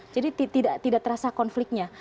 jadi tidak terasa konfliknya